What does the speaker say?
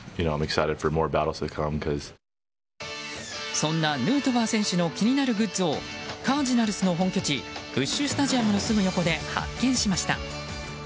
そんなヌートバー選手の気になるグッズをカージナルスの本拠地ブッシュ・スタジアムのすぐ横で発見しました。